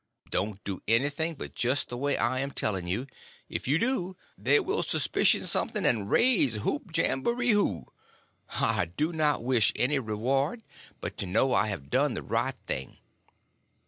Don't do anything but just the way I am telling you, if you do they will suspicion something and raise whoop jamboreehoo. I do not wish any reward but to know I have done the right thing.